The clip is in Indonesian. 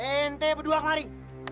ente berdua kemari